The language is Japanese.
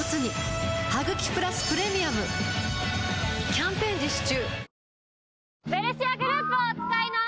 キャンペーン実施中